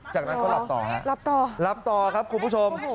จากนั้นก็หลับต่อครับหลับต่อครับคุณผู้ชม